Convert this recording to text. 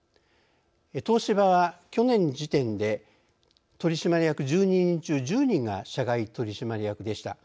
東芝は去年時点で取締役１２人中１０人が社外取締役でした。